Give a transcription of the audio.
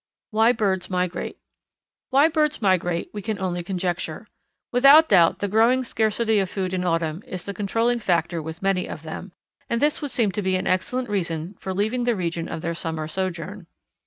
Why Birds Migrate. Why birds migrate we can only conjecture. Without doubt the growing scarcity of food in autumn is the controlling factor with many of them; and this would seem to be an excellent reason for leaving the region of their summer sojourn.